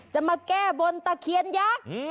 จะมาแก้บนตะเคียนยักษ์